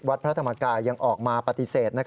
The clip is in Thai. พระธรรมกายยังออกมาปฏิเสธ